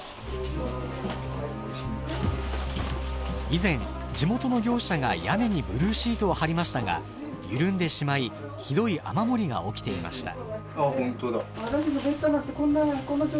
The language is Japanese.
以前地元の業者が屋根にブルーシートを張りましたが緩んでしまいひどい雨漏りが起きていました。